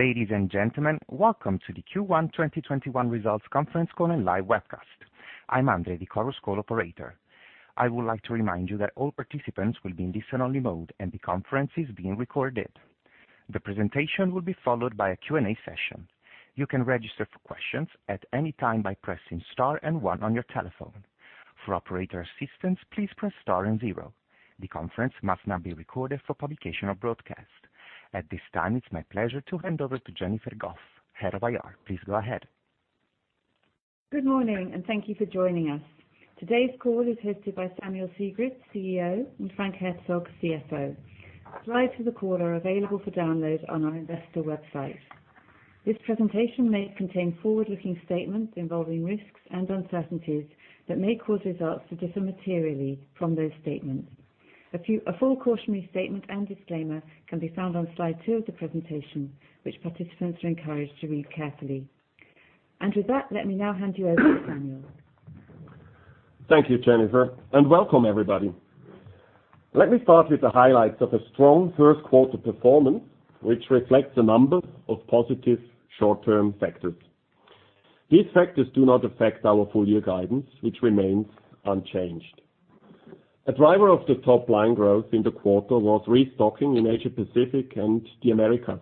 Ladies and gentlemen, welcome to the Q1 2021 Results Conference Call and Live Webcast. I'm Andre, the conference call operator. I would like to remind you that all participants will be in listen-only mode, and the conference is being recorded. The presentation will be followed by a Q&A session. You can register for questions at any time by pressing star and one on your telephone. For operator assistance, please press star and zero. The conference must not be recorded for publication or broadcast. At this time, it's my pleasure to hand over to Jennifer Gough, Head of IR. Please go ahead. Good morning, and thank you for joining us. Today's call is hosted by Samuel Sigrist, CEO, and Frank Herzog, CFO. Slides for the call are available for download on our investor website. This presentation may contain forward-looking statements involving risks and uncertainties that may cause results to differ materially from those statements. A full cautionary statement and disclaimer can be found on slide two of the presentation, which participants are encouraged to read carefully. With that, let me now hand you over to Samuel. Thank you, Jennifer, and welcome everybody. Let me start with the highlights of a strong first quarter performance, which reflects a number of positive short-term factors. These factors do not affect our full-year guidance, which remains unchanged. A driver of the top-line growth in the quarter was restocking in Asia Pacific and the Americas.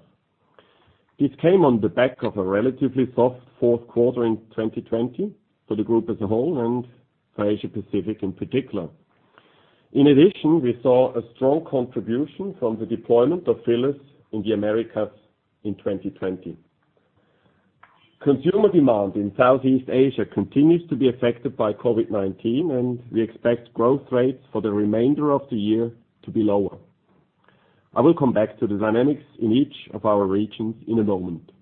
This came on the back of a relatively soft fourth quarter in 2020 for the group as a whole and for Asia Pacific in particular. In addition, we saw a strong contribution from the deployment of fillers in the Americas in 2020. Consumer demand in Southeast Asia continues to be affected by COVID-19. We expect growth rates for the remainder of the year to be lower. I will come back to the dynamics in each of our regions in a moment.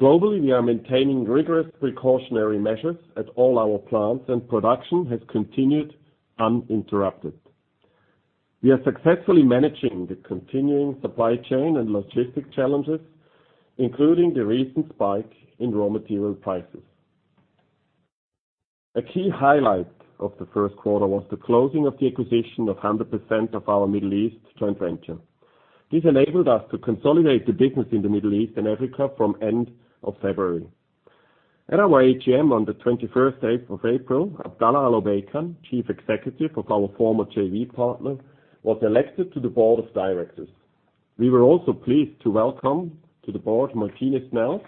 Globally, we are maintaining rigorous precautionary measures at all our plants, and production has continued uninterrupted. We are successfully managing the continuing supplyBoard Martine Snels chain and logistic challenges, including the recent spike in raw material prices. A key highlight of the first quarter was the closing of the acquisition of 100% of our Middle East joint venture. This enabled us to consolidate the business in the Middle East and Africa from end of February. At our AGM on the 21st of April, Abdallah Al Obeikan, Chief Executive of our former JV partner, was elected to the Board of Directors. We were also pleased to welcome to the,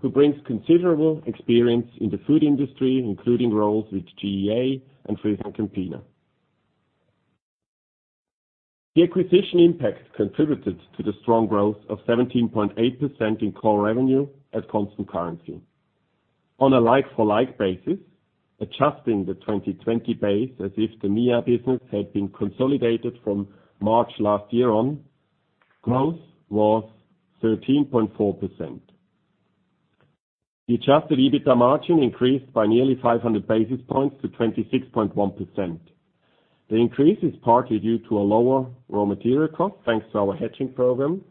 who brings considerable experience in the food industry, including roles with GEA and FrieslandCampina. The acquisition impact contributed to the strong growth of 17.8% in core revenue at constant currency. On a like-for-like basis, adjusting the 2020 base as if the MEA business had been consolidated from March last year on, growth was 13.4%. The adjusted EBITDA margin increased by nearly 500 basis points to 26.1%. The increase is partly due to a lower raw material cost, thanks to our hedging program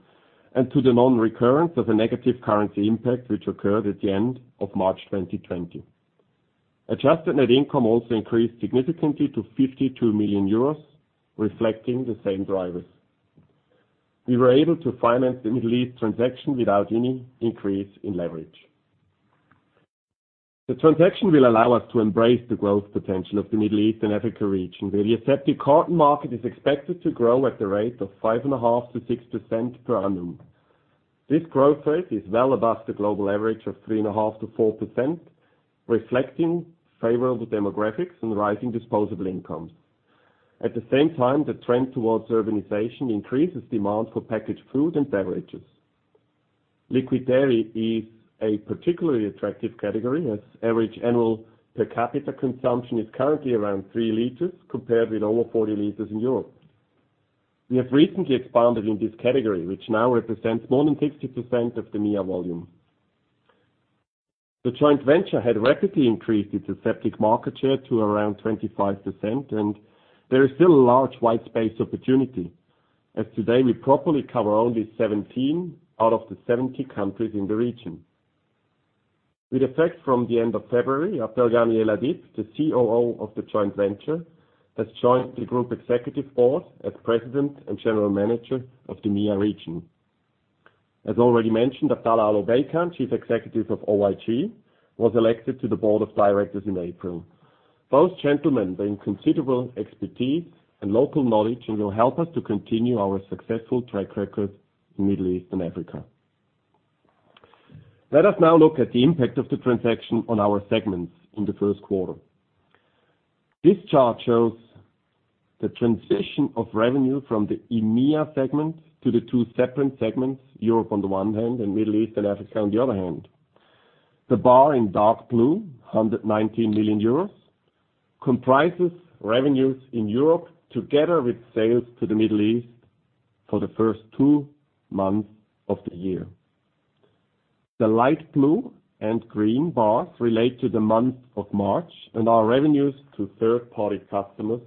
and to the non-recurrence of a negative currency impact, which occurred at the end of March 2020. Adjusted net income also increased significantly to 52 million euros, reflecting the same drivers. We were able to finance the Middle East transaction without any increase in leverage. The transaction will allow us to embrace the growth potential of the Middle East and Africa region. The aseptic carton market is expected to grow at the rate of 5.5%-6% per annum. This growth rate is well above the global average of 3.5%-4%, reflecting favorable demographics and rising disposable incomes. At the same time, the trend towards urbanization increases demand for packaged food and beverages. Liquid dairy is a particularly attractive category as average annual per capita consumption is currently around three liters compared with over 40 liters in Europe. We have recently expanded in this category, which now represents more than 60% of the MEA volume. The joint venture had rapidly increased its aseptic market share to around 25%, and there is still a large white space opportunity, as today we properly cover only 17 out of the 70 countries in the region. With effect from the end of February, Abdelghany Eladib, the COO of the joint venture, has joined the Group Executive Board as President and General Manager of the MEA region. As already mentioned, Abdallah Al Obeikan, Chief Executive of OIG, was elected to the Board of Directors in April. Both gentlemen bring considerable expertise and local knowledge and will help us to continue our successful track record in Middle East and Africa. Let us now look at the impact of the transaction on our segments in the first quarter. This chart shows the transition of revenue from the EMEA segment to the two separate segments, Europe on the one hand, and Middle East and Africa on the other hand. The bar in dark blue, 119 million euros, comprises revenues in Europe together with sales to the Middle East for the first two months of the year. The light blue and green bars relate to the month of March and are revenues to third-party customers,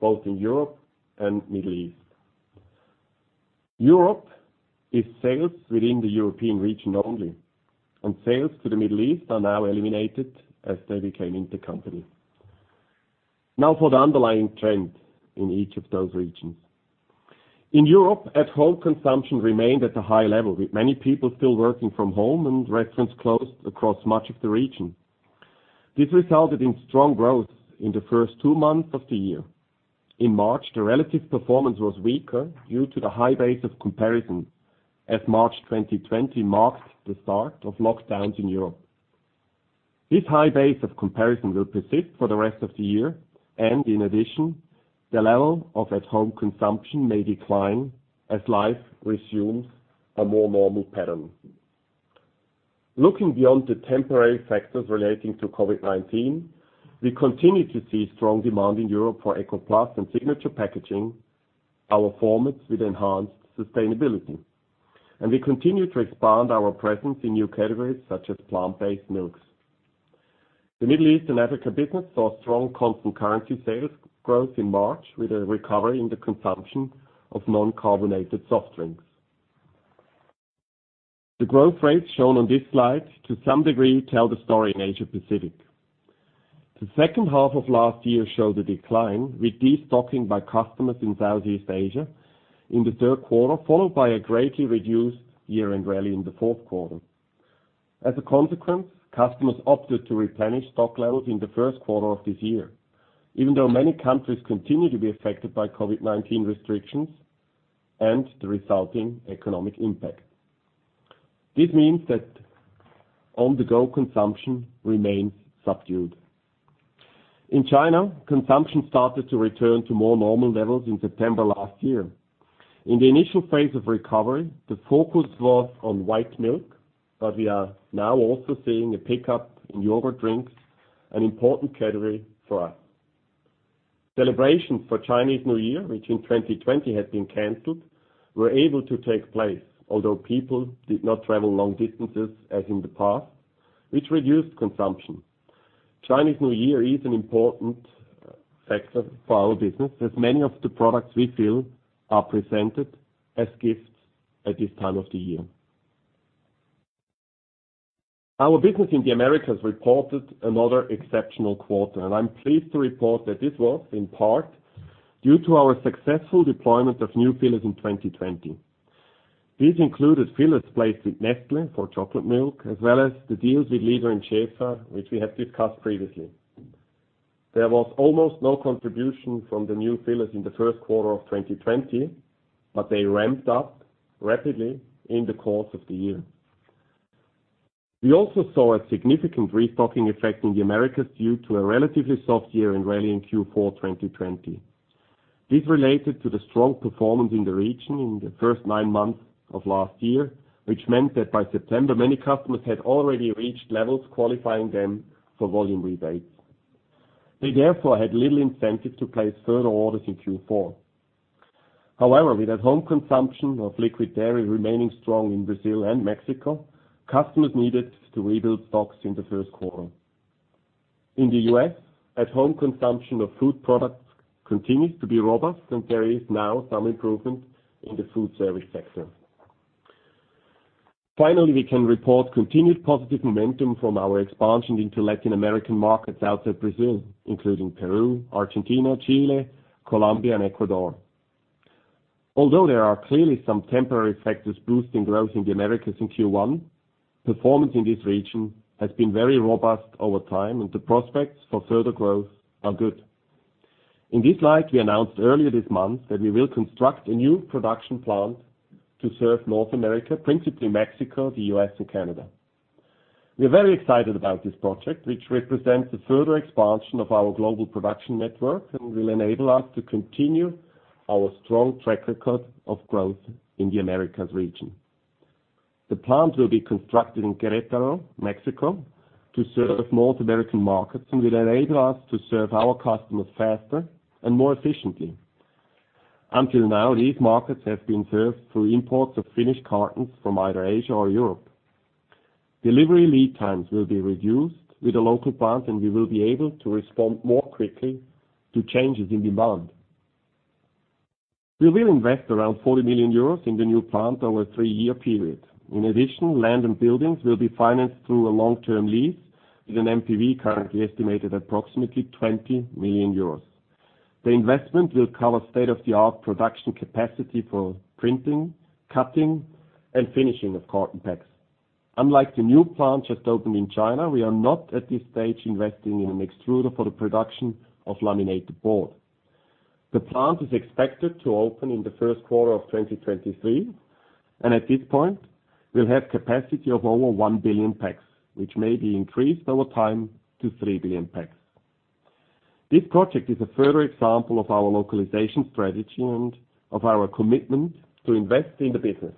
both in Europe and Middle East. Europe is sales within the European region only, and sales to the Middle East are now eliminated as they became intercompany. Now for the underlying trend in each of those regions. In Europe, at-home consumption remained at a high level, with many people still working from home and restaurants closed across much of the region. This resulted in strong growth in the first two months of the year. In March, the relative performance was weaker due to the high base of comparison, as March 2020 marks the start of lockdowns in Europe. This high base of comparison will persist for the rest of the year, and in addition, the level of at-home consumption may decline as life resumes a more normal pattern. Looking beyond the temporary factors relating to COVID-19, we continue to see strong demand in Europe for Eco+ and Signature packaging, our formats with enhanced sustainability, and we continue to expand our presence in new categories such as plant-based milks. The Middle East and Africa business saw strong constant currency sales growth in March, with a recovery in the consumption of non-carbonated soft drinks. The growth rates shown on this slide to some degree tell the story in Asia Pacific. The second half of last year showed a decline, with de-stocking by customers in Southeast Asia in the third quarter, followed by a greatly reduced year-end rally in the fourth quarter. As a consequence, customers opted to replenish stock levels in the first quarter of this year, even though many countries continue to be affected by COVID-19 restrictions and the resulting economic impact. This means that on-the-go consumption remains subdued. In China, consumption started to return to more normal levels in September last year. In the initial phase of recovery, the focus was on white milk, but we are now also seeing a pickup in yogurt drinks, an important category for us. Celebrations for Chinese New Year, which in 2020 had been canceled, were able to take place, although people did not travel long distances as in the past, which reduced consumption. Chinese New Year is an important factor for our business, as many of the products we fill are presented as gifts at this time of the year. Our business in the Americas reported another exceptional quarter, and I'm pleased to report that this was in part due to our successful deployment of new fillers in 2020. These included fillers placed with Nestlé for chocolate milk, as well as the deals with Líder and Shefa, which we have discussed previously. There was almost no contribution from the new fillers in the first quarter of 2020, but they ramped up rapidly in the course of the year. We also saw a significant restocking effect in the Americas due to a relatively soft year-end rally in Q4 2020. This related to the strong performance in the region in the first nine months of last year, which meant that by September, many customers had already reached levels qualifying them for volume rebates. They therefore had little incentive to place further orders in Q4. With at-home consumption of liquid dairy remaining strong in Brazil and Mexico, customers needed to rebuild stocks in the first quarter. In the U.S., at-home consumption of food products continues to be robust, and there is now some improvement in the food service sector. Finally, we can report continued positive momentum from our expansion into Latin American markets outside Brazil, including Peru, Argentina, Chile, Colombia and Ecuador. Although there are clearly some temporary factors boosting growth in the Americas in Q1, performance in this region has been very robust over time, and the prospects for further growth are good. In this light, we announced earlier this month that we will construct a new production plant to serve North America, principally Mexico, the U.S., and Canada. We are very excited about this project, which represents a further expansion of our global production network and will enable us to continue our strong track record of growth in the Americas region. The plant will be constructed in Querétaro, Mexico, to serve North American markets and will enable us to serve our customers faster and more efficiently. Until now, these markets have been served through imports of finished cartons from either Asia or Europe. Delivery lead times will be reduced with a local plant, and we will be able to respond more quickly to changes in demand. We will invest around 40 million euros in the new plant over a three-year period. In addition, land and buildings will be financed through a long-term lease with an NPV currently estimated at approximately 20 million euros. The investment will cover state-of-the-art production capacity for printing, cutting, and finishing of carton packs. Unlike the new plant just opened in China, we are not at this stage investing in an extruder for the production of laminated board. The plant is expected to open in the first quarter of 2023, and at this point, we'll have capacity of over one billion packs, which may be increased over time to three billion packs. This project is a further example of our localization strategy and of our commitment to invest in the business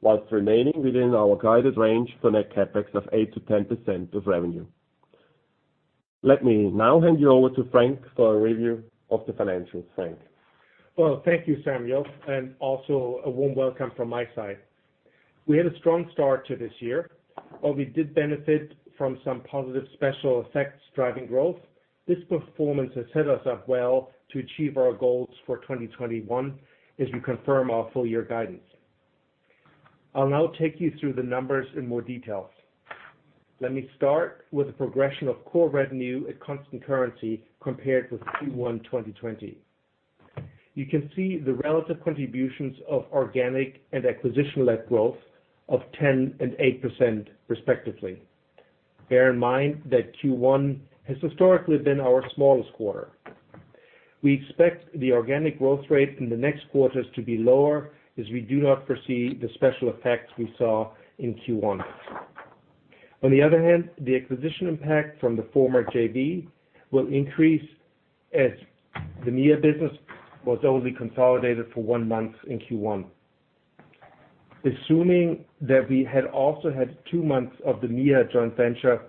while remaining within our guided range for net CapEx of 8%-10% of revenue. Let me now hand you over to Frank for a review of the financials. Frank. Well, thank you, Samuel, and also a warm welcome from my side. We had a strong start to this year. While we did benefit from some positive special effects driving growth, this performance has set us up well to achieve our goals for 2021 as we confirm our full year guidance. I'll now take you through the numbers in more details. Let me start with the progression of core revenue at constant currency compared with Q1 2020. You can see the relative contributions of organic and acquisition-led growth of 10% and 8%, respectively. Bear in mind that Q1 has historically been our smallest quarter. We expect the organic growth rate in the next quarters to be lower, as we do not foresee the special effects we saw in Q1. On the other hand, the acquisition impact from the former JV will increase as the MEA business was only consolidated for one month in Q1. Assuming that we had also had two months of the MEA joint venture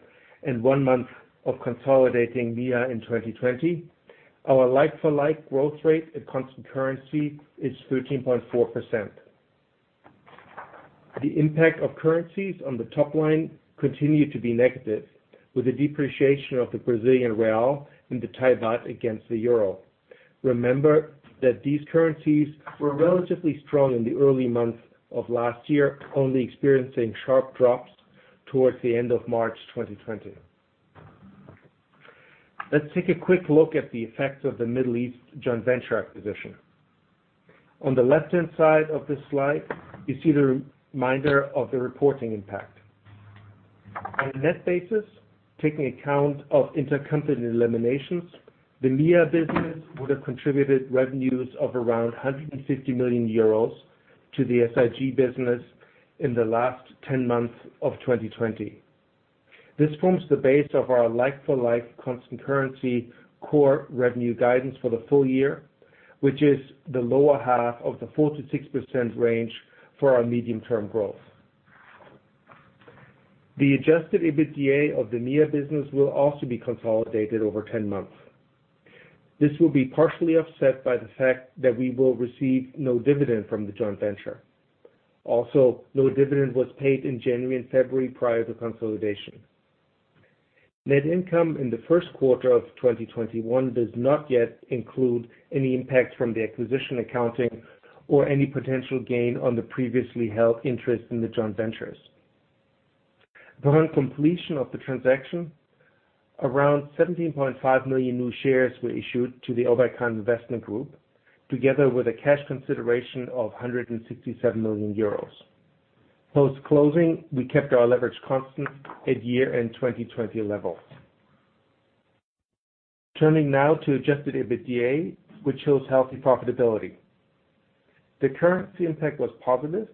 and one month of consolidating MEA in 2020, our like-for-like growth rate at constant currency is 13.4%. The impact of currencies on the top line continued to be negative, with the depreciation of the Brazilian real and the Thai baht against the euro. Remember that these currencies were relatively strong in the early months of last year, only experiencing sharp drops towards the end of March 2020. Let's take a quick look at the effects of the MEA joint venture acquisition. On the left-hand side of this slide, you see the reminder of the reporting impact. On a net basis, taking account of intercompany eliminations, the MEA business would have contributed revenues of around 150 million euros to the SIG business in the last 10 months of 2020. This forms the base of our like-for-like constant currency core revenue guidance for the full year, which is the lower half of the 4%-6% range for our medium-term growth. The adjusted EBITDA of the MEA business will also be consolidated over 10 months. This will be partially offset by the fact that we will receive no dividend from the joint venture. Also, no dividend was paid in January and February prior to consolidation. Net income in the first quarter of 2021 does not yet include any impact from the acquisition accounting or any potential gain on the previously held interest in the joint ventures. Upon completion of the transaction, around 17.5 million new shares were issued to the Obeikan Investment Group, together with a cash consideration of 167 million euros. Post-closing, we kept our leverage constant at year-end 2020 levels. Turning now to adjusted EBITDA, which shows healthy profitability. The currency impact was positive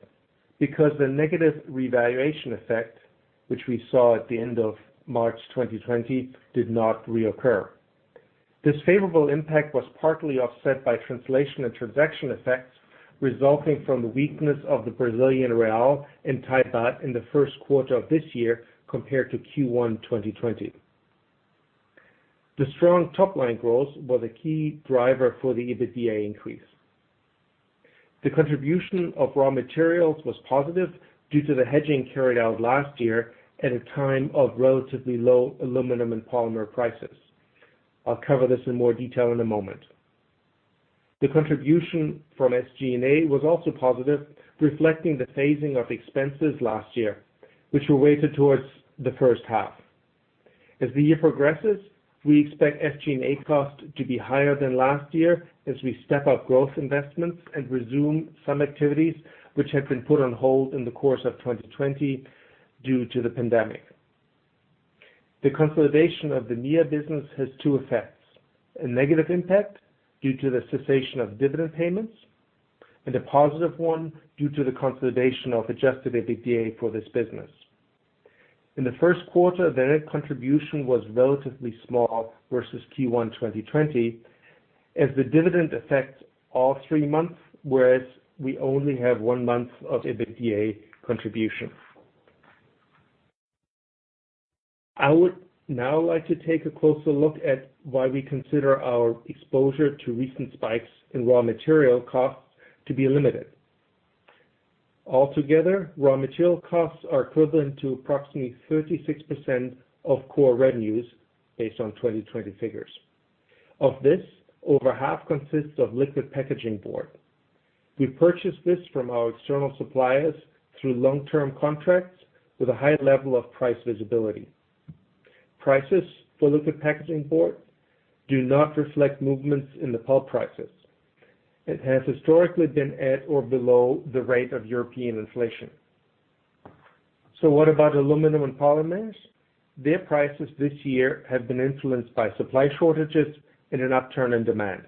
because the negative revaluation effect, which we saw at the end of March 2020, did not reoccur. This favorable impact was partly offset by translation and transaction effects resulting from the weakness of the Brazilian real and Thai baht in the first quarter of this year compared to Q1 2020. The strong top-line growth was a key driver for the EBITDA increase. The contribution of raw materials was positive due to the hedging carried out last year at a time of relatively low aluminum and polymer prices. I'll cover this in more detail in a moment. The contribution from SG&A was also positive, reflecting the phasing of expenses last year, which were weighted towards the first half. As the year progresses, we expect SG&A costs to be higher than last year as we step up growth investments and resume some activities which had been put on hold in the course of 2020 due to the pandemic. The consolidation of the MEA business has two effects: a negative impact due to the cessation of dividend payments, and a positive one due to the consolidation of adjusted EBITDA for this business. In the first quarter, the net contribution was relatively small versus Q1 2020 as the dividend affects all three months, whereas we only have one month of EBITDA contribution. I would now like to take a closer look at why we consider our exposure to recent spikes in raw material costs to be limited. Raw material costs are equivalent to approximately 36% of core revenues based on 2020 figures. Of this, over half consists of liquid packaging board. We purchase this from our external suppliers through long-term contracts with a high level of price visibility. Prices for liquid packaging board do not reflect movements in the pulp prices. It has historically been at or below the rate of European inflation. What about aluminum and polymers? Their prices this year have been influenced by supply shortages and an upturn in demand.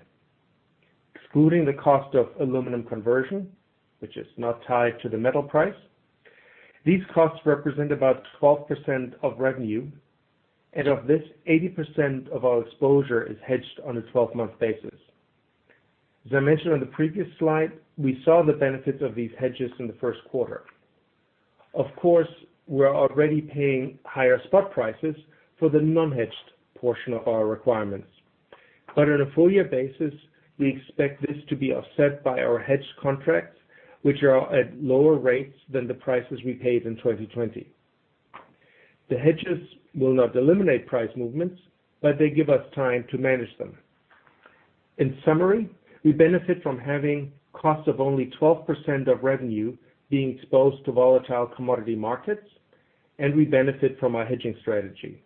Excluding the cost of aluminum conversion, which is not tied to the metal price, these costs represent about 12% of revenue, and of this, 80% of our exposure is hedged on a 12-month basis. As I mentioned on the previous slide, we saw the benefits of these hedges in the first quarter. We're already paying higher spot prices for the non-hedged portion of our requirements. On a full year basis, we expect this to be offset by our hedge contracts, which are at lower rates than the prices we paid in 2020. The hedges will not eliminate price movements, but they give us time to manage them. In summary, we benefit from having costs of only 12% of revenue being exposed to volatile commodity markets, and we benefit from our hedging strategy.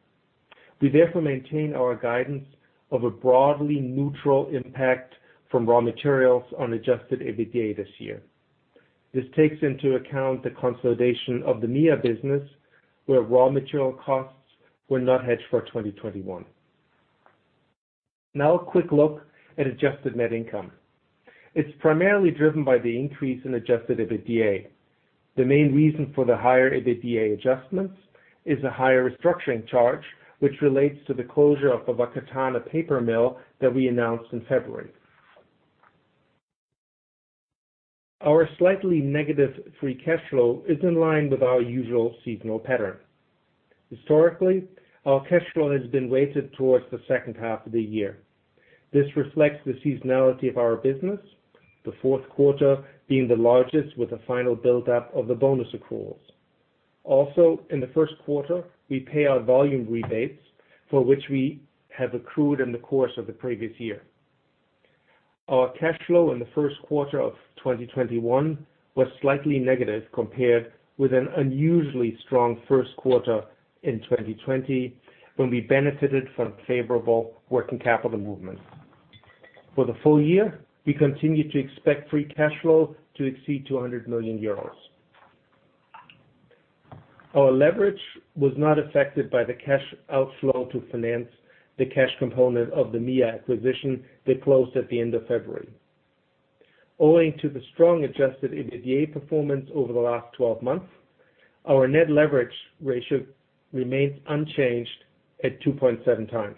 We therefore maintain our guidance of a broadly neutral impact from raw materials on adjusted EBITDA this year. This takes into account the consolidation of the MEA business, where raw material costs were not hedged for 2021. A quick look at adjusted net income. It's primarily driven by the increase in adjusted EBITDA. The main reason for the higher EBITDA adjustments is the higher restructuring charge, which relates to the closure of the Whakatāne paper mill that we announced in February. Our slightly negative free cash flow is in line with our usual seasonal pattern. Historically, our cash flow has been weighted towards the second half of the year. This reflects the seasonality of our business, the fourth quarter being the largest with a final buildup of the bonus accruals. In the first quarter, we pay our volume rebates for which we have accrued in the course of the previous year. Our cash flow in the first quarter of 2021 was slightly negative compared with an unusually strong first quarter in 2020, when we benefited from favorable working capital movement. For the full year, we continue to expect free cash flow to exceed 200 million euros. Our leverage was not affected by the cash outflow to finance the cash component of the MEA acquisition that closed at the end of February. Owing to the strong adjusted EBITDA performance over the last 12 months, our net leverage ratio remains unchanged at 2.7x,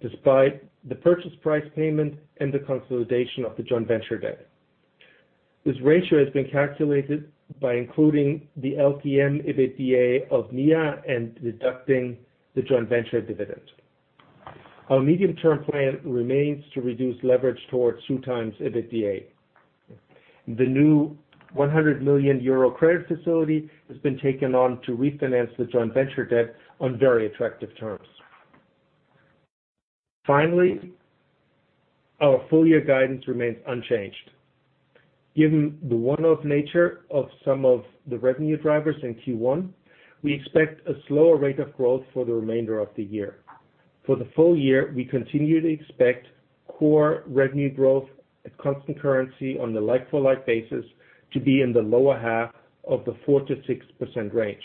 despite the purchase price payment and the consolidation of the joint venture debt. This ratio has been calculated by including the LTM EBITDA of MEA and deducting the joint venture dividend. Our medium-term plan remains to reduce leverage towards 2x EBITDA. The new 100 million euro credit facility has been taken on to refinance the joint venture debt on very attractive terms. Finally, our full year guidance remains unchanged. Given the one-off nature of some of the revenue drivers in Q1, we expect a slower rate of growth for the remainder of the year. For the full year, we continue to expect core revenue growth at constant currency on the like-for-like basis to be in the lower half of the 4%-6% range.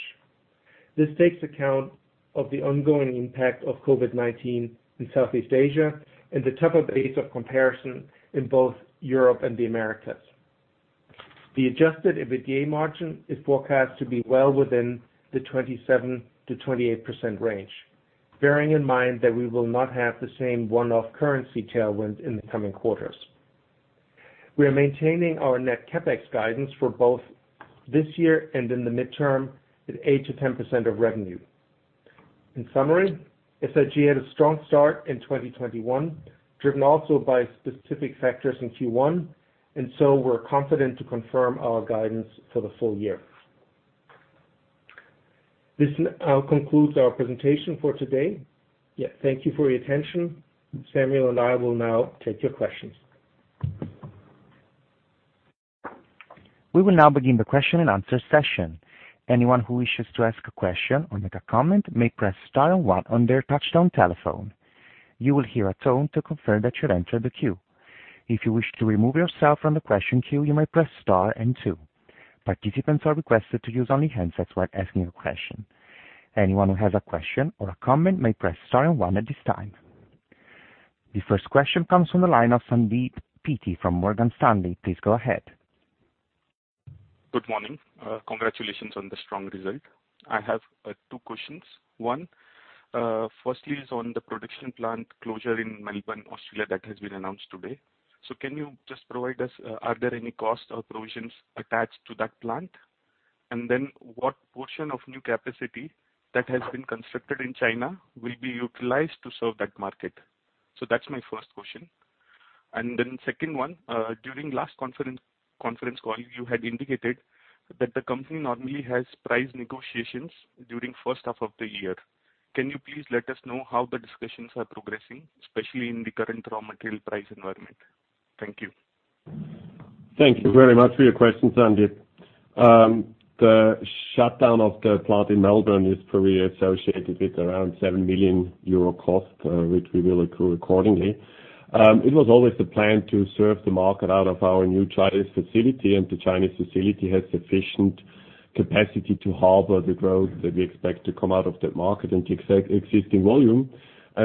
This takes account of the ongoing impact of COVID-19 in Southeast Asia and the tougher base of comparison in both Europe and the Americas. The adjusted EBITDA margin is forecast to be well within the 27%-28% range, bearing in mind that we will not have the same one-off currency tailwind in the coming quarters. We are maintaining our net CapEx guidance for both this year and in the midterm at 8%-10% of revenue. In summary, SIG had a strong start in 2021, driven also by specific factors in Q1, and so we're confident to confirm our guidance for the full year. This concludes our presentation for today. Thank you for your attention. Samuel and I will now take your questions. We will now begin the question and answer session. Anyone who wishes to ask question or make a comment may press star one on their touchdown telephone, You will hear a tone to confirm that you enter the queue. If you wish to remove yourself from the question queue, you might press star and two. Participants are requested to use only handsets while asking question. Anyone who has question or a comment may press star one at this time. The first question comes from the line of Sandeep Peety from Morgan Stanley. Please go ahead. Good morning. Congratulations on the strong result. I have two questions. One, firstly, is on the production plant closure in Melbourne, Australia, that has been announced today. Are there any costs or provisions attached to that plant? What portion of new capacity that has been constructed in China will be utilized to serve that market? That's my first question. Second one, during last conference call, you had indicated that the company normally has price negotiations during first half of the year. Can you please let us know how the discussions are progressing, especially in the current raw material price environment? Thank you. Thank you very much for your question, Sandeep. The shutdown of the plant in Melbourne is currently associated with around 7 million euro cost, which we will accrue accordingly. The Chinese facility has sufficient capacity to harbor the growth that we expect to come out of that market and to existing volume.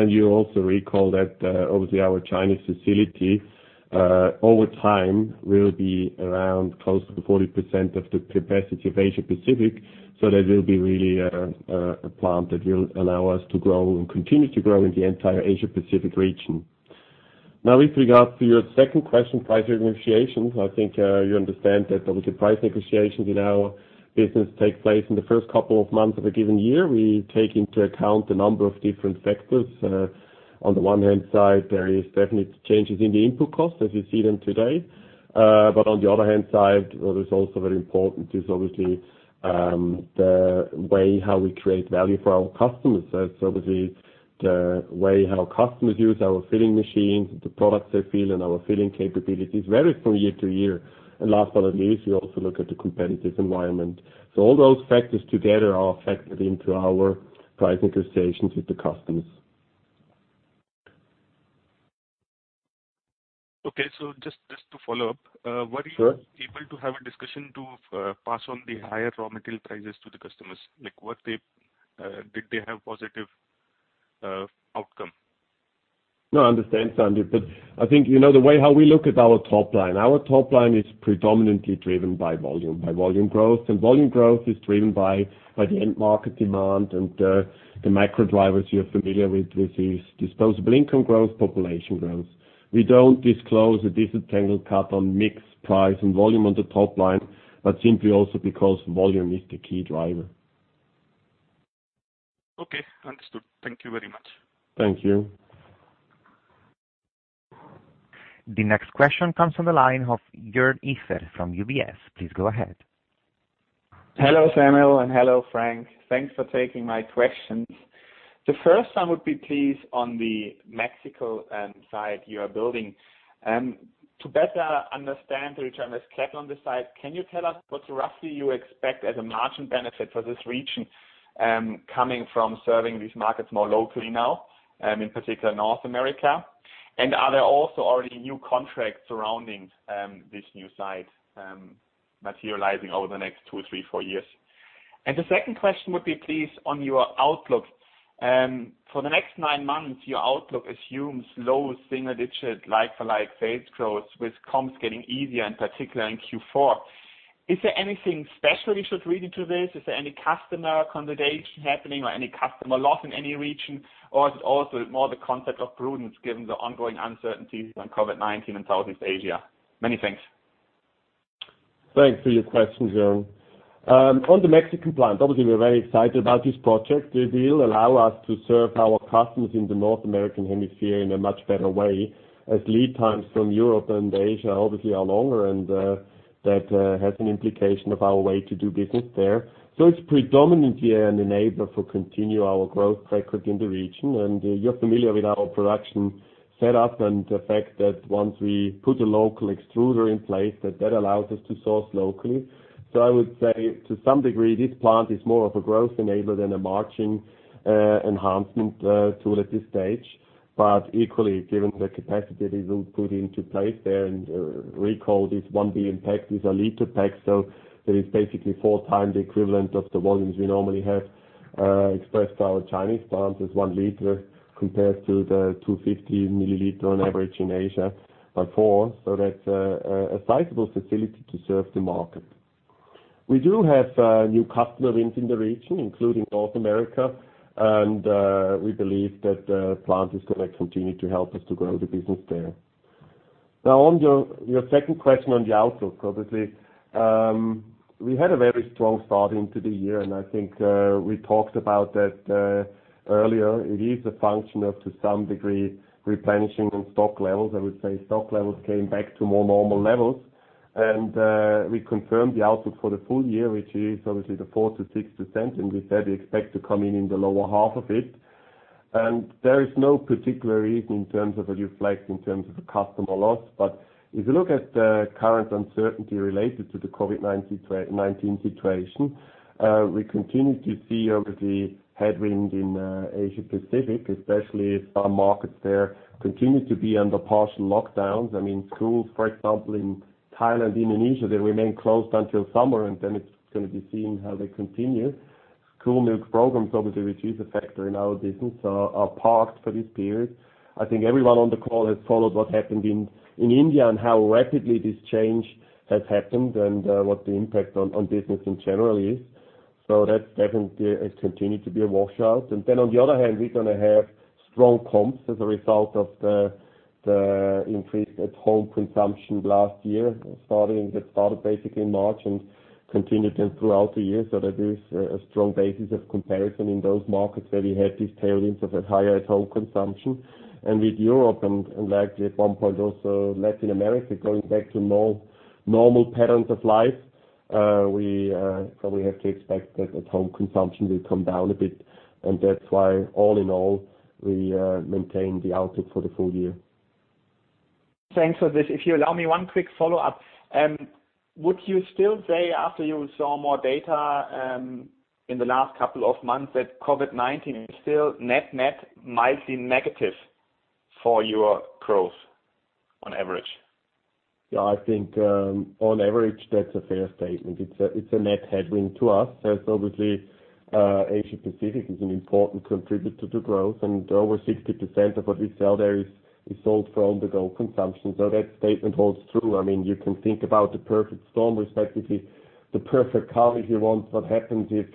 You also recall that obviously our Chinese facility, over time, will be around close to 40% of the capacity of Asia Pacific. That will be really a plant that will allow us to grow and continue to grow in the entire Asia Pacific region. With regards to your second question, price negotiations, I think you understand that the price negotiations in our business take place in the first couple of months of a given year. We take into account a number of different factors. On the one hand side, there is definitely changes in the input costs as you see them today. On the other hand side, what is also very important is obviously, the way how we create value for our customers. Obviously, the way how customers use our filling machines, the products they fill, and our filling capabilities varies from year to year. Last but not least, we also look at the competitive environment. All those factors together are factored into our price negotiations with the customers. Okay. Just to follow up. Sure. Were you able to have a discussion to pass on the higher raw material prices to the customers? Did they have positive outcome? No, I understand, Sandeep Peety, I think you know the way how we look at our top line. Our top line is predominantly driven by volume growth. Volume growth is driven by the end market demand and the macro drivers you're familiar with. This is disposable income growth, population growth. We don't disclose a disentangled cut on mix price and volume on the top line, simply also because volume is the key driver. Okay. Understood. Thank you very much. Thank you. The next question comes from the line of Joern Iffert from UBS. Please go ahead. Hello, Samuel, and hello, Frank. Thanks for taking my questions. The first one would be, please, on the Mexico side you are building. To better understand the return on capital on this side, can you tell us what roughly you expect as a margin benefit for this region, coming from serving these markets more locally now, in particular North America? Are there also already new contracts surrounding this new site, materializing over the next two, three, four years? The second question would be, please, on your outlook. For the next nine months, your outlook assumes low single-digit like-for-like sales growth with comps getting easier, in particular in Q4. Is there anything special we should read into this? Is there any customer consolidation happening or any customer loss in any region? Is it also more the concept of prudence given the ongoing uncertainties on COVID-19 in Southeast Asia? Many thanks. Thanks for your questions, Joern. The Mexican plant, obviously, we're very excited about this project. It will allow us to serve our customers in the North American hemisphere in a much better way as lead times from Europe and Asia obviously are longer, and that has an implication of our way to do business there. It's predominantly an enabler for continue our growth record in the region. You're familiar with our production setup and the fact that once we put a local extruder in place, that allows us to source locally. I would say to some degree, this plant is more of a growth enabler than a margin enhancement tool at this stage. Equally, given the capacity that is put into place there, and recall this 1B impact is a liter pack. There is basically 4x the equivalent of the volumes we normally have expressed to our Chinese plants as 1 liter compared to the 250 milliliter on average in Asia by 4%. That's a sizable facility to serve the market. We do have new customer wins in the region, including North America, and we believe that the plant is going to continue to help us to grow the business there. On your second question on the outlook, obviously, we had a very strong start into the year, and I think we talked about that earlier. It is a function of, to some degree, replenishing on stock levels. I would say stock levels came back to more normal levels. We confirmed the outlook for the full year, which is obviously the 4%-6%, and we said we expect to come in in the lower half of it. There is no particular reason in terms of a new flex in terms of a customer loss. If you look at the current uncertainty related to the COVID-19 situation, we continue to see obviously headwind in Asia-Pacific, especially if some markets there continue to be under partial lockdowns. Schools, for example, in Thailand, Indonesia, they remain closed until summer, and then it's going to be seen how they continue. School Milk Programs, obviously, which is a factor in our business, are parked for this period. I think everyone on the call has followed what happened in India and how rapidly this change has happened and what the impact on business in general is. That definitely has continued to be a washout. Then on the other hand, we're going to have strong comps as a result of the increase at home consumption last year, that started basically in March and continued throughout the year. That is a strong basis of comparison in those markets where we had these tailwinds of a higher at home consumption. With Europe, and likely at one point also Latin America, going back to more normal patterns of life, we probably have to expect that at home consumption will come down a bit, and that's why all in all, we maintain the outlook for the full year. Thanks for this. You allow me one quick follow-up. Would you still say after you saw more data, in the last couple of months that COVID-19 is still net-net mildly negative for your growth on average? Yeah, I think, on average, that's a fair statement. It's a net headwind to us as obviously, Asia-Pacific is an important contributor to growth, and over 60% of what we sell there is sold for at-home consumption. That statement holds true. You can think about the perfect storm respectively, the perfect calm, if you want. What happens if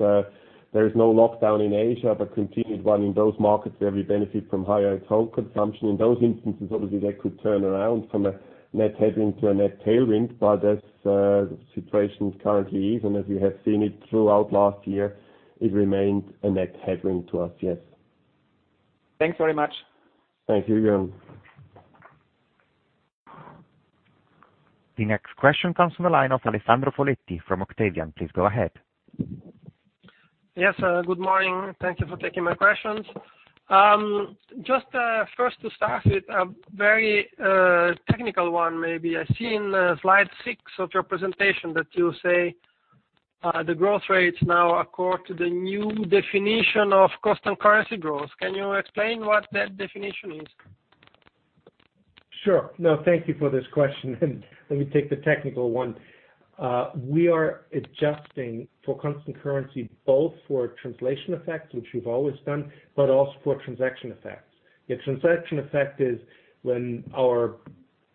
there's no lockdown in Asia but continued one in those markets where we benefit from higher at-home consumption? In those instances, obviously, that could turn around from a net headwind to a net tailwind. As the situation currently is, and as we have seen it throughout last year, it remained a net headwind to us. Yes. Thanks very much. Thank you again. The next question comes from the line of Alessandro Foletti from Octavian. Please go ahead. Yes. Good morning. Thank you for taking my questions. Just first to start with a very technical one, maybe. I see in slide six of your presentation that you say the growth rates now accord to the new definition of constant currency growth. Can you explain what that definition is? Sure. No, thank you for this question, and let me take the technical one. We are adjusting for constant currency, both for translation effects, which we've always done, but also for transaction effects. A transaction effect is when our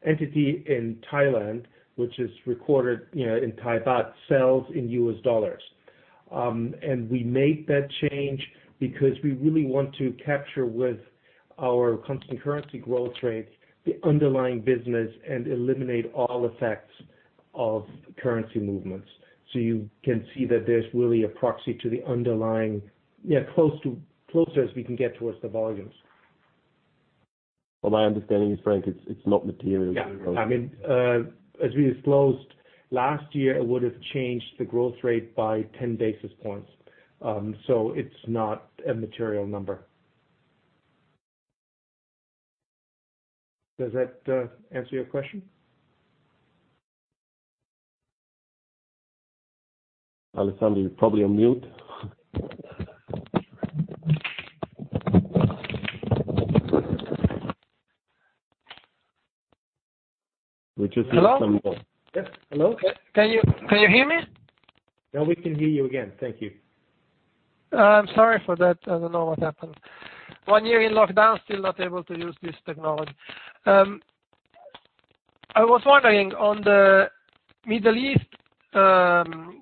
entity in Thailand, which is recorded in Thai Baht, sells in dollars. We made that change because we really want to capture with our constant currency growth rate, the underlying business, and eliminate all effects of currency movements. You can see that there's really a proxy to the underlying, close as we can get towards the volumes. Well, my understanding is, Frank, it's not material. Yeah. As we disclosed last year, it would have changed the growth rate by 10 basis points. It's not a material number. Does that answer your question? Alessandro, you're probably on mute. Hello? Yes. Hello. Can you hear me? Now we can hear you again. Thank you. I'm sorry for that. I don't know what happened. One year in lockdown, still not able to use this technology. I was wondering on the Middle East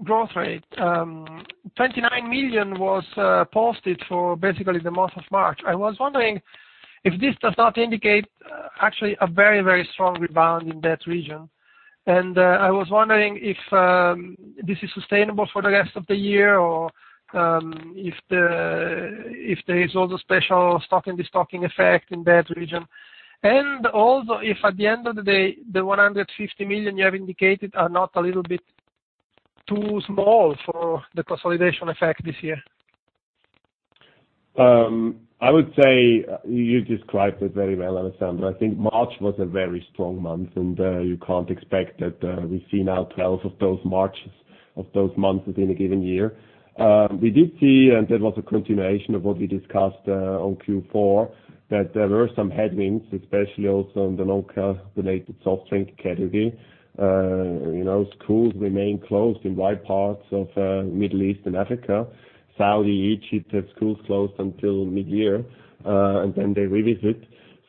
growth rate, 29 million was posted for basically the month of March. I was wondering if this does not indicate actually a very strong rebound in that region. I was wondering if this is sustainable for the rest of the year or if there is also special stocking, de-stocking effect in that region. Also if at the end of the day, the 150 million you have indicated are not a little bit too small for the consolidation effect this year. I would say you described it very well, Alessandro. I think March was a very strong month. You can't expect that we see now 12 of those Marches, of those months within a given year. We did see, that was a continuation of what we discussed on Q4, that there were some headwinds, especially also on the local related soft drink category. Schools remain closed in wide parts of Middle East and Africa. Saudi, Egypt have schools closed until mid-year, and then they revisit.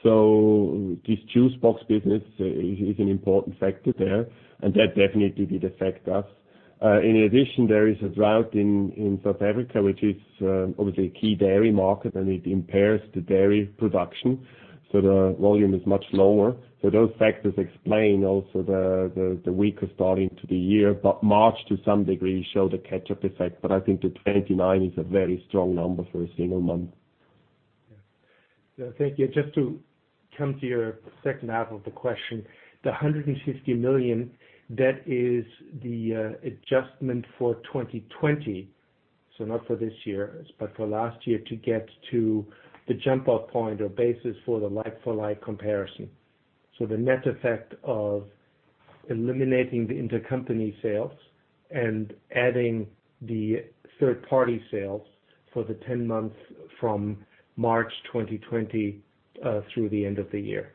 This juice box business is an important factor there, and that definitely did affect us. In addition, there is a drought in South Africa, which is obviously a key dairy market, and it impairs the dairy production. The volume is much lower. Those factors explain also the weaker start into the year. March, to some degree, showed a catch-up effect, but I think the 29 is a very strong number for a single month. Thank you. Just to come to your second half of the question, the 150 million, that is the adjustment for 2020. Not for this year, but for last year to get to the jump-off point or basis for the like-for-like comparison. The net effect of eliminating the intercompany sales and adding the third-party sales for the 10 months from March 2020 through the end of the year.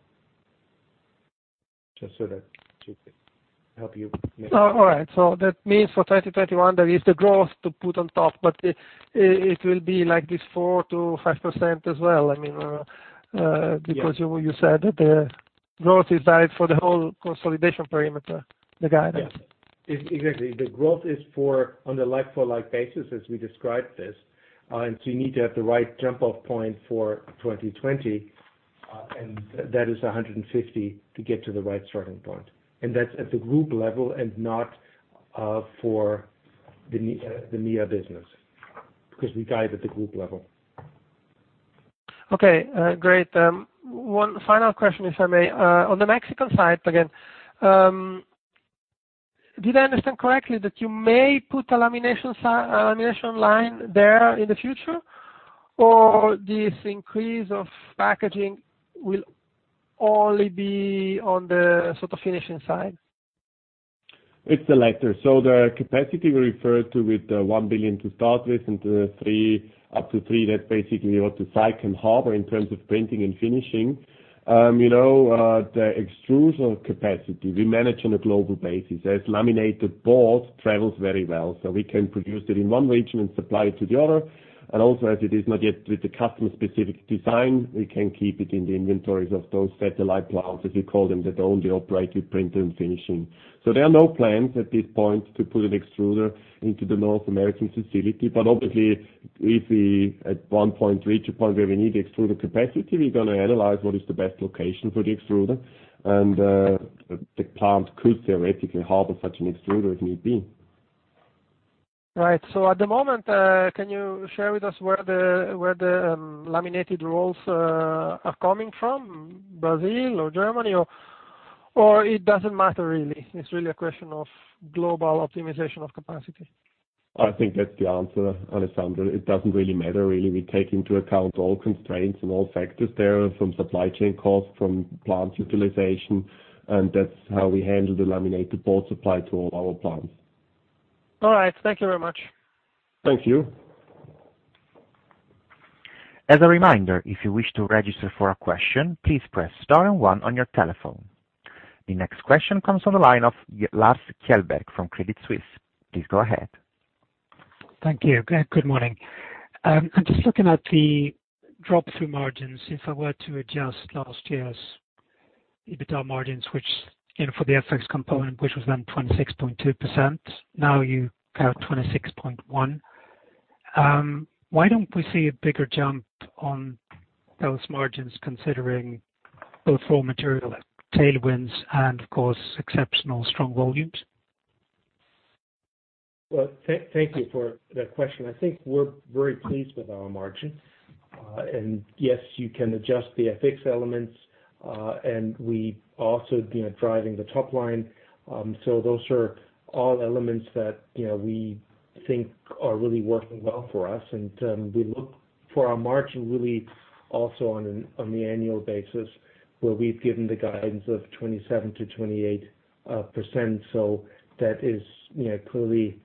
All right. That means for 2021, there is the growth to put on top, it will be like this 4%-5% as well because you said that the growth is valid for the whole consolidation perimeter, the guidance. Yes. Exactly. The growth is on the like-for-like basis as we described this. You need to have the right jump-off point for 2020, and that is 150 to get to the right starting point. That's at the group level and not for the MEA business because we guide at the group level. Okay. Great. One final question, if I may. On the Mexican side, again, did I understand correctly that you may put a lamination line there in the future? Or this increase of packaging will only be on the sort of finishing side? It's the latter. The capacity we refer to with the 1 billion to start with and up to three, that basically what the site can harbor in terms of printing and finishing. The extrusion capacity we manage on a global basis. As laminated board travels very well, so we can produce it in one region and supply it to the other. Also, as it is not yet with the customer-specific design, we can keep it in the inventories of those satellite plants, as we call them, that only operate with printing and finishing. There are no plans at this point to put an extruder into the North American facility. Obviously, if we at one point reach a point where we need extruder capacity, we're going to analyze what is the best location for the extruder, and the plant could theoretically harbor such an extruder if need be. Right. At the moment, can you share with us where the laminated rolls are coming from, Brazil or Germany? Or it doesn't matter really, it's really a question of global optimization of capacity? I think that's the answer, Alessandro. It doesn't really matter, really. We take into account all constraints and all factors there from supply chain costs, from plant utilization, that's how we handle the laminated board supply to all our plants. All right. Thank you very much. Thank you. As a reminder, if you wish to register for a question, please press star one on your telephone. The next question comes on the line of Lars Kjellberg from Credit Suisse. Please go ahead. Thank you. Good morning. I'm just looking at the drop-through margins. If I were to adjust last year's EBITDA margins, for the FX component, which was then 26.2%, now you have 26.1%. Why don't we see a bigger jump on those margins, considering both raw material at tailwinds and, of course, exceptional strong volumes? Well, thank you for that question. I think we're very pleased with our margin. Yes, you can adjust the FX elements, and we also driving the top line. Those are all elements that we think are really working well for us. We look for our margin really also on the annual basis where we've given the guidance of 27%-28%, so that is clearly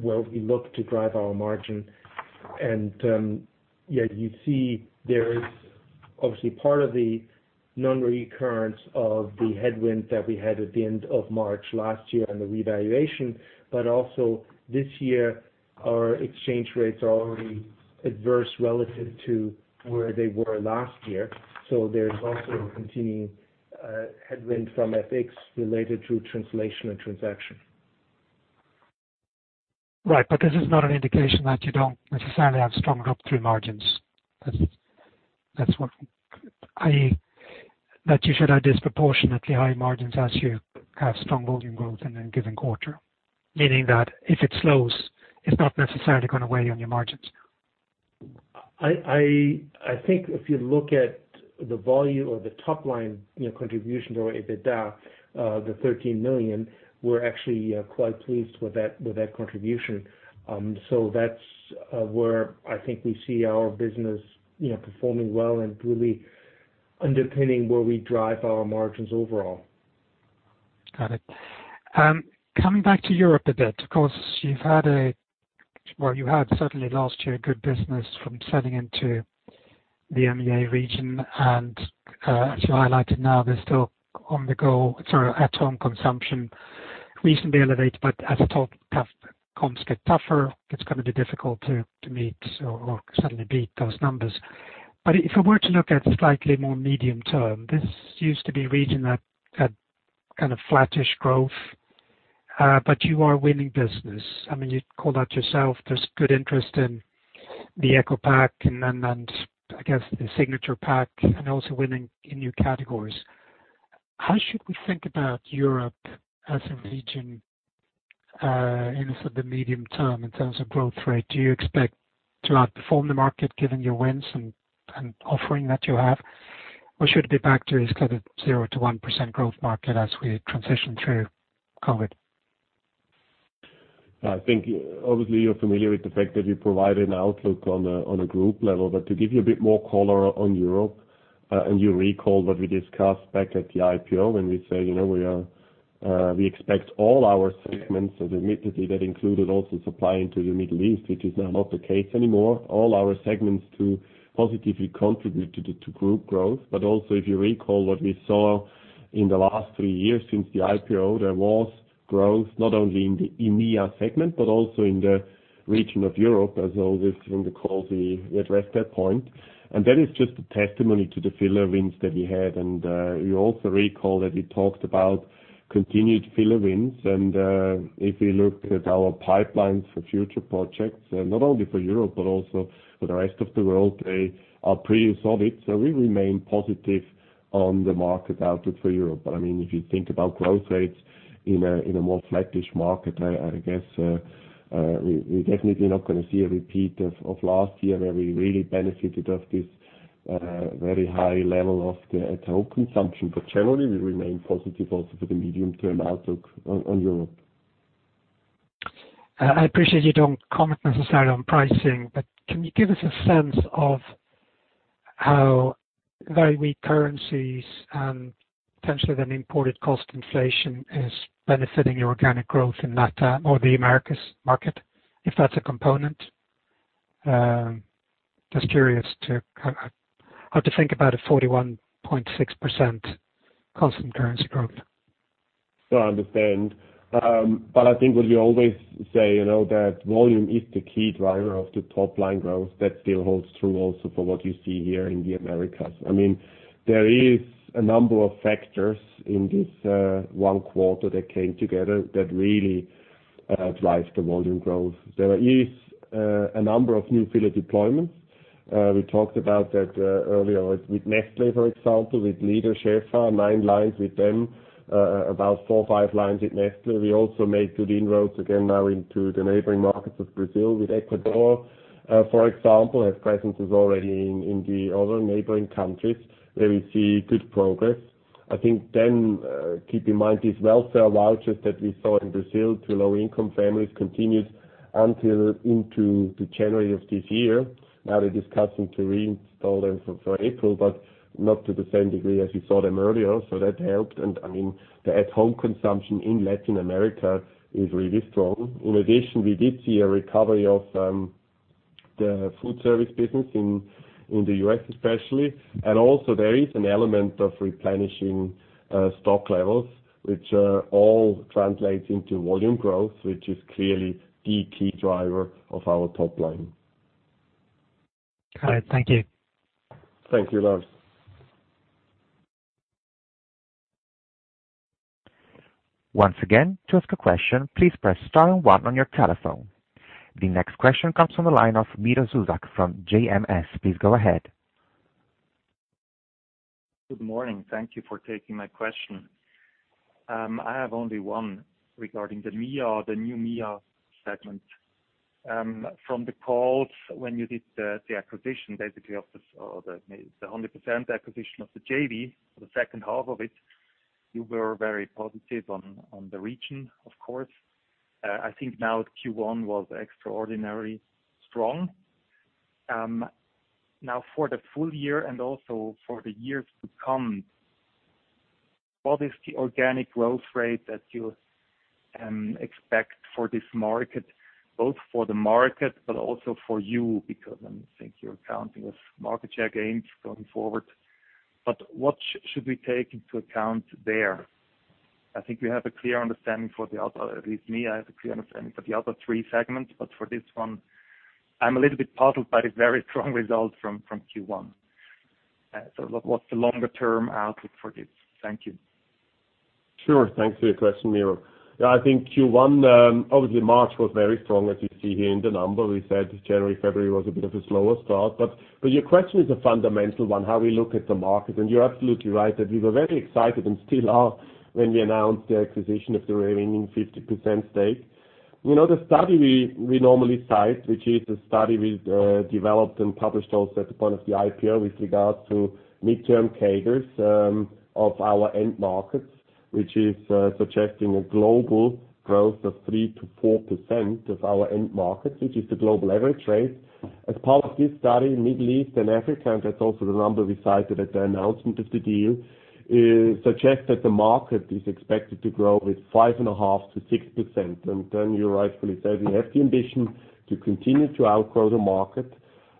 where we look to drive our margin. Yeah, you see there is obviously part of the non-recurrence of the headwind that we had at the end of March last year and the revaluation. Also this year, our exchange rates are already adverse relative to where they were last year. There is also a continuing headwind from FX related to translation and transaction. Right. This is not an indication that you don't necessarily have strong drop-through margins. That you should have disproportionately high margins as you have strong volume growth in any given quarter. Meaning that if it slows, it's not necessarily going to weigh on your margins. I think if you look at the volume or the top line contribution to our EBITDA, the 13 million, we're actually quite pleased with that contribution. That's where I think we see our business performing well and really underpinning where we drive our margins overall. Got it. Coming back to Europe a bit, of course, you had certainly last year, good business from selling into the MEA region. As you highlighted now, they're still on the go. Sorry, at-home consumption reasonably elevated, but as comps get tougher, it's going to be difficult to meet or suddenly beat those numbers. If I were to look at slightly more medium-term, this used to be a region that had flattish growth. You are winning business. You call that yourself. There's good interest in the Eco Pack and then, I guess the SIGNATURE PACK and also winning in new categories. How should we think about Europe as a region in sort of the medium term in terms of growth rate? Do you expect to outperform the market given your wins and offering that you have? Should it be back to this kind of zero to 1% growth market as we transition through COVID? I think obviously you're familiar with the fact that we provided an outlook on a group level. To give you a bit more color on Europe, and you recall what we discussed back at the IPO when we say we expect all our segments, and admittedly, that included also supplying to the Middle East, which is now not the case anymore, all our segments to positively contribute to group growth. Also if you recall what we saw in the last three years since the IPO, there was growth not only in the EMEA segment, but also in the region of Europe, as always, Linda Cosby addressed that point. That is just a testimony to the filler wins that we had. You also recall that we talked about continued filler wins. If we look at our pipelines for future projects, not only for Europe, but also for the rest of the world, they are pretty solid. We remain positive on the market outlook for Europe. If you think about growth rates in a more flattish market, I guess, we're definitely not going to see a repeat of last year where we really benefited off this very high level of the at-home consumption. Generally, we remain positive also for the medium-term outlook on Europe. I appreciate you don't comment necessarily on pricing. Can you give us a sense of how very weak currencies and potentially then imported cost inflation is benefiting your organic growth in LATAM or the Americas market, if that's a component? Just curious how to think about a 41.6% constant currency growth. I understand. I think what we always say, that volume is the key driver of the top-line growth. That still holds true also for what you see here in the Americas. There is a number of factors in this one quarter that came together that really drive the volume growth. There is a number of new filler deployments. We talked about that earlier with Nestlé, for example, with Líder Scheffer, nine lines with them, about four or five lines with Nestlé. We also made good inroads again now into the neighboring markets of Brazil with Ecuador. For example, have presences already in the other neighboring countries where we see good progress. Keep in mind these welfare vouchers that we saw in Brazil to low-income families continued until into January of this year. They're discussing to reinstall them for April, not to the same degree as we saw them earlier. That helped. The at-home consumption in Latin America is really strong. In addition, we did see a recovery of the food service business in the U.S. especially, and also there is an element of replenishing stock levels, which all translates into volume growth, which is clearly the key driver of our top line. Got it. Thank you. Thank you, Lars. The next question comes from the line of Miro Zuzak from JMS. Please go ahead. Good morning. Thank you for taking my question. I have only one regarding the new MEA segment. From the calls when you did the acquisition, basically of the 100% acquisition of the JV for the second half of it, you were very positive on the region, of course. I think now Q1 was extraordinarily strong. For the full year and also for the years to come, what is the organic growth rate that you expect for this market, both for the market but also for you? I think you're counting with market share gains going forward. What should we take into account there? I think we have a clear understanding for the other, at least me, I have a clear understanding for the other three segments, but for this one, I'm a little bit puzzled by the very strong results from Q1. What's the longer-term outlook for this? Thank you. Sure. Thanks for your question, Miro. Yeah, I think Q1, obviously March was very strong as you see here in the number. We said January, February was a bit of a slower start. Your question is a fundamental one, how we look at the market. You're absolutely right that we were very excited and still are when we announced the acquisition of the remaining 50% stake. The study we normally cite, which is a study we developed and published also at the point of the IPO with regards to midterm CAGRs of our end markets, which is suggesting a global growth of 3%-4% of our end markets, which is the global average rate. As part of this study, Middle East and Africa, that's also the number we cited at the announcement of the deal, suggests that the market is expected to grow with 5.5%-6%. You rightfully said, we have the ambition to continue to outgrow the market.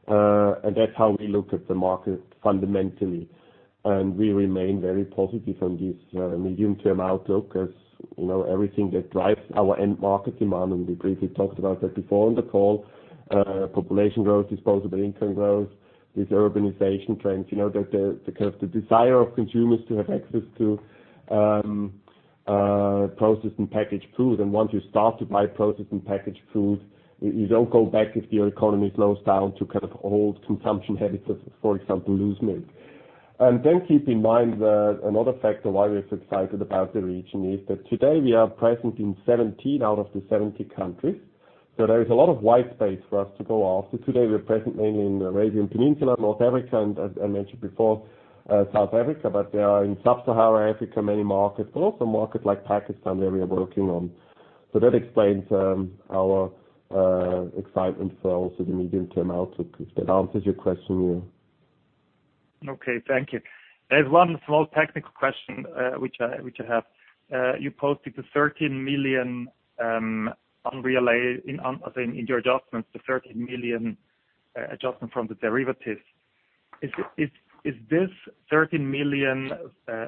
That's how we look at the market fundamentally. We remain very positive on this medium-term outlook as everything that drives our end market demand, we briefly talked about that before on the call, population growth, disposable income growth, these urbanization trends, the desire of consumers to have access to processed and packaged food. Once you start to buy processed and packaged food, you don't go back if your economy slows down to kind of old consumption habits of, for example, loose milk. Then keep in mind that another factor why we're excited about the region is that today we are present in 17 out of the 70 countries. There is a lot of white space for us to go after. Today, we are present mainly in the Arabian Peninsula, North Africa, and as I mentioned before, South Africa, but there are in sub-Sahara Africa, many markets, but also markets like Pakistan, where we are working on. That explains our excitement for also the medium-term outlook, if that answers your question, Miro. Okay. Thank you. There's one small technical question which I have. You posted the 13 million, in your adjustments, the 13 million adjustment from the derivatives. Is this 13 million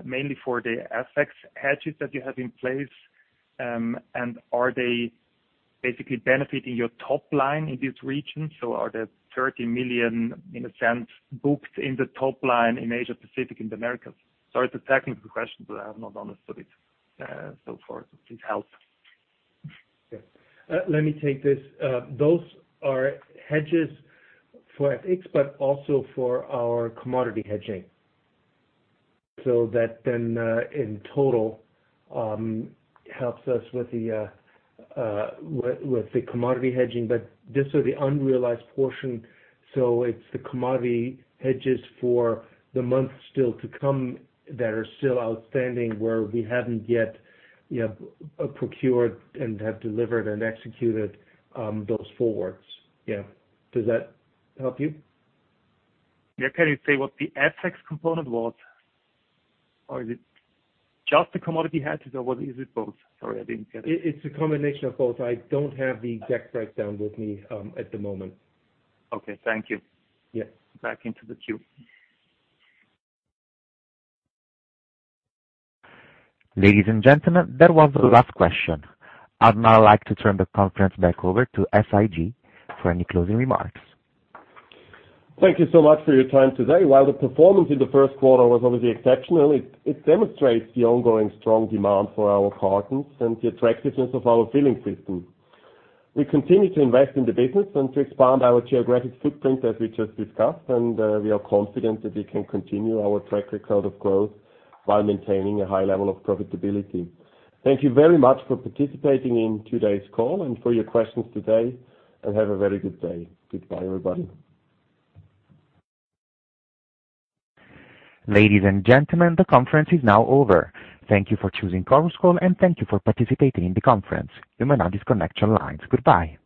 mainly for the FX hedges that you have in place? Are they basically benefiting your top line in this region? Are the 13 million, in a sense, booked in the top line in Asia Pacific and the Americas? Sorry, it's a technical question. I have not understood it so far. Please help. Let me take this. Those are hedges for FX, but also for our commodity hedging. That in total helps us with the commodity hedging. These are the unrealized portion, it's the commodity hedges for the months still to come that are still outstanding where we haven't yet procured and have delivered and executed those forwards. Yeah. Does that help you? Yeah. Can you say what the FX component was? Or is it just the commodity hedges or is it both? Sorry, I didn't get it. It's a combination of both. I don't have the exact breakdown with me at the moment. Okay. Thank you. Yeah. Back into the queue. Ladies and gentlemen, that was the last question. I'd now like to turn the conference back over to SIG for any closing remarks. Thank you so much for your time today. While the performance in the first quarter was obviously exceptional, it demonstrates the ongoing strong demand for our cartons and the attractiveness of our filling system. We continue to invest in the business and to expand our geographic footprint as we just discussed, and we are confident that we can continue our track record of growth while maintaining a high level of profitability. Thank you very much for participating in today's call and for your questions today, and have a very good day. Goodbye, everybody. Ladies and gentlemen, the conference is now over. Thank you for choosing Chorus Call, and thank you for participating in the conference. You may now disconnect your lines. Goodbye.